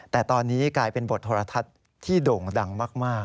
แต่ตอนนี้กลายเป็นบทโทรทัศน์ที่โด่งดังมาก